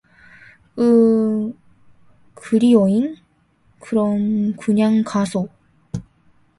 으응. 그리여잉? 그럼, 그냥 가소!